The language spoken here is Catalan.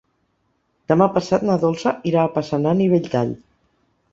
Demà passat na Dolça irà a Passanant i Belltall.